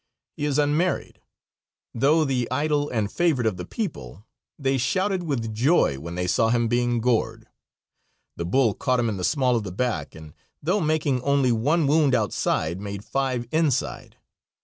He is unmarried. Though the idol and favorite of the people, they shouted with joy when they saw him being gored. The bull caught him in the small of the back, and though making only one wound outside made five inside.